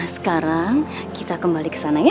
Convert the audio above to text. sekarang kita kembali ke sana